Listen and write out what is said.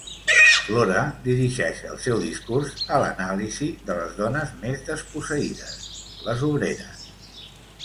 Flora dirigeix el seu discurs a l'anàlisi de les dones més desposseïdes: les obreres.